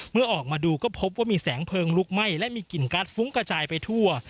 เมื่อออกมาดูก็พบว่ามีแสงเพลิงลุกไหม้และมีกลิ่นการ์ฟุ้งกระจายไปทั่ว